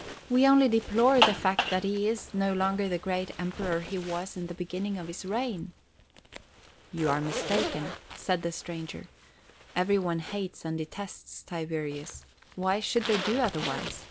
We only deplore the fact that he is no longer the great Emperor he was in the beginning of his reign." "You are mistaken," said the stranger. "Every one hates and detests Tiberius. Why should they do otherwise?